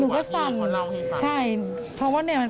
อยู่หวานนี้เขาเล่าให้ฟัง